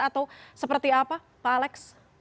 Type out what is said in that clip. atau seperti apa pak alex